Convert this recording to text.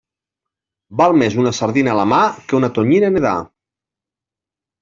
Val més una sardina a la mà que una tonyina nedar.